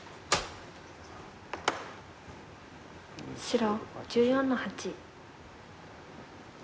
白１４の八。